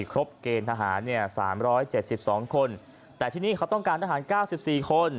ครบเกณฑ์ทหารเนี่ย๓๗๒คนแต่ที่นี่เขาต้องการทหาร๙๔คน